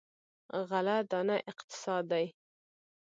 غله دانه اقتصاد دی.